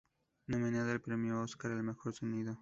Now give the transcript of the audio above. Nominada al premio Oscar al mejor sonido.